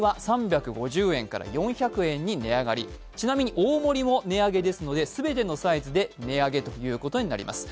大盛も値上げですので全てのサイズで値上げということになります。